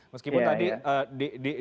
meskipun tadi di studio ada